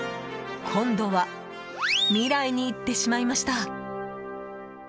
今度は未来に行ってしまいました。